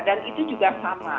dan itu juga sama